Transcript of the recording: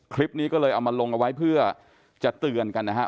คลิปนี้ก็เลยเอามาลงเอาไว้เพื่อจะเตือนกันนะฮะ